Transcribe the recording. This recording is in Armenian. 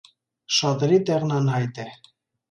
Շատերի տեղն անհայտ է։